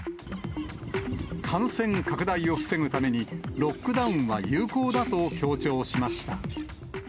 感染拡大を防ぐために、ロックダウンは有効だと強調しました。